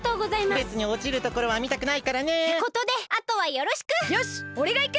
べつにおちるところはみたくないからね。ってことであとはよろしく！